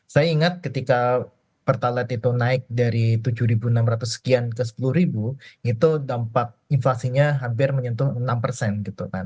saya ingat ketika pertalite itu naik dari tujuh enam ratus sekian ke sepuluh itu dampak inflasinya hampir menyentuh enam persen